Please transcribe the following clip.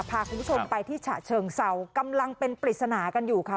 พาคุณผู้ชมไปที่ฉะเชิงเศร้ากำลังเป็นปริศนากันอยู่ค่ะ